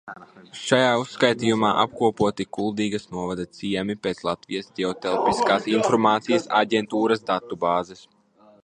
Šajā uzskatījumā apkopoti Kuldīgas novada ciemi pēc Latvijas Ģeotelpiskās informācijas aģentūras datubāzes.